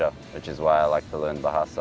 karena itulah saya suka belajar bahasa